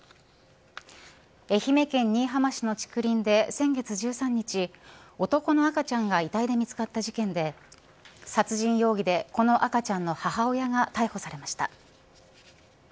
愛媛県新居浜市の竹林で先月１３日男の赤ちゃんが遺体で見つかった事件で殺人容疑でこの赤ちゃんの母親が逮捕されました。